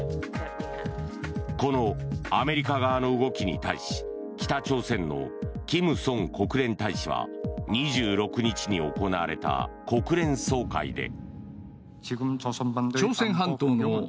このアメリカ側の動きに対し北朝鮮のキム・ソン国連大使は２６日に行われた国連総会で。